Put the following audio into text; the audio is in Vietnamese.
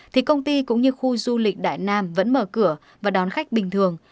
thì công ty cũng như khu du lịch đại nam vẫn mở cửa và đón khách bình thường